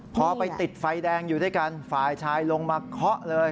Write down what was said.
พอไปติดไฟแดงอยู่ด้วยกันฝ่ายชายลงมาเคาะเลย